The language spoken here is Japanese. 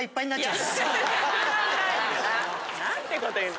何てこと言う。